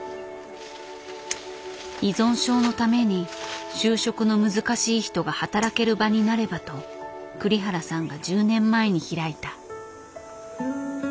依存症のために就職の難しい人が働ける場になればと栗原さんが１０年前に開いた。